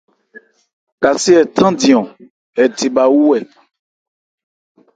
Kasé ɛ thándi hɛ the bha wú hɛ.